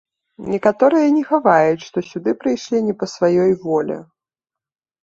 Некаторыя не хаваюць, што сюды прыйшлі не па сваёй волі.